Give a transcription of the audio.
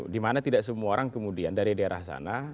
dimana tidak semua orang kemudian dari daerah sana